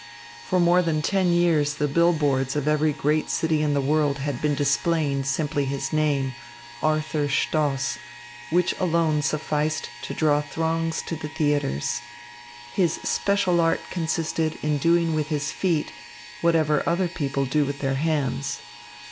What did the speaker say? For more than ten years the bill boards of every great city in the world had been displaying simply his name, Arthur Stoss, which alone sufficed to draw throngs to the theatres. His special art consisted in doing with his feet whatever other people do with their hands.